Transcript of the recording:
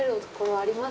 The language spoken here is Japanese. あります。